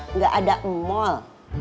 enggak ada emol